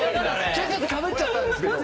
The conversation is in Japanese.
ちょっとかぶっちゃったんですけど。